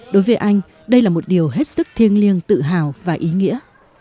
đối với anh đây là một điều hết sức thiêng liêng tự hào và ý nghĩa